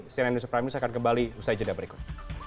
cnn news prime news akan kembali usai jadwal berikut